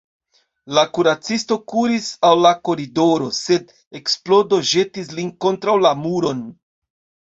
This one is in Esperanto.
La kuracisto kuris al la koridoro, sed eksplodo ĵetis lin kontraŭ la muron.